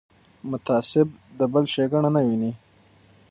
متعصب د بل ښېګڼه نه ویني